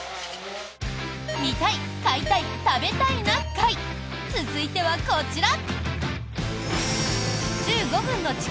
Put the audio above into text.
「見たい買いたい食べたいな会」続いてはこちら。